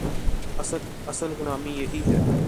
اصل غلامی یہی ہے۔